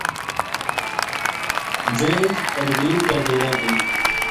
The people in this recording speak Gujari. ویہ پروین کے ڈیرے گئی